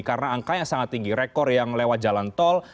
karena angkanya sangat tinggi rekor yang lewat jalan tol